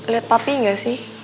liat papi gak sih